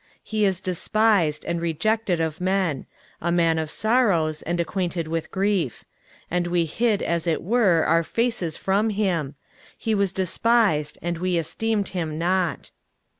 23:053:003 He is despised and rejected of men; a man of sorrows, and acquainted with grief: and we hid as it were our faces from him; he was despised, and we esteemed him not.